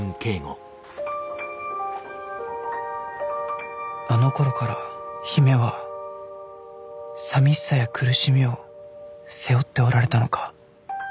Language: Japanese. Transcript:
心の声あのころから姫は寂しさや苦しみを背負っておられたのか。